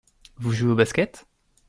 Vous jouez au Basket ?